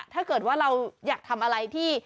ถ้าเกิดว่าเราอยากทำอะไรที่